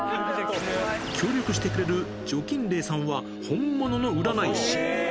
協力してくれるジョ・キンレイさんは本物の占い師。